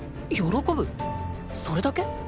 それだけ？